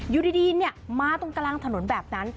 อยู่ดีมาตรงกลางถนนแบบนั้น